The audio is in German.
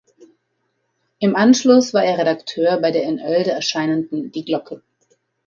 Im Anschluss war er Redakteur bei der in Oelde erscheinenden "Die Glocke".